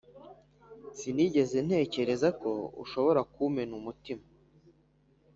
sinigeze ntekereza ko ushobora kumena umutima